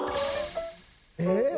えっ？